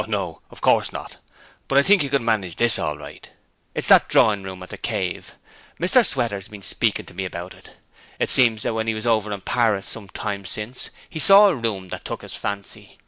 'Oh, no, of course not, but I think you could manage this all right. It's that drawing room at the 'Cave'. Mr Sweater's been speaking to me about it. It seems that when he was over in Paris some time since he saw a room that took his fancy.